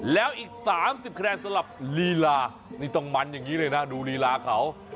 แล้วอีก๓๐คะแนนสำหรับลีลานี่ต้องมันอย่างนี้เลยนะดูลีลาเขา